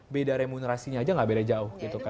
beda remunerasinya aja gak beda jauh gitu kan